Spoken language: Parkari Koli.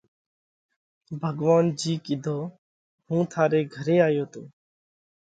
ڀڳوونَ جِي ڪِيڌو: هُون ٿاري گھري آيو تو۔